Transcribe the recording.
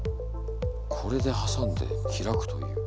これで挟んで開くという。